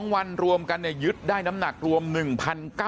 ๒วันรวมกันยึดได้น้ำหนักรวม๑พัน๙๐๐กิโลกรัม